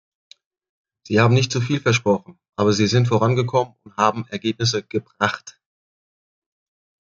Sie haben nicht zuviel versprochen, aber Sie sind vorangekommen und haben Ergebnisse gebracht.